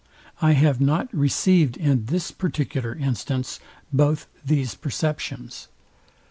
I have not received in this particular instance both these perceptions.